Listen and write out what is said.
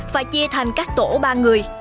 và chia thành các tổ ba người